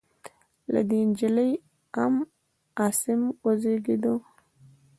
له دې نجلۍ ام عاصم وزېږېده.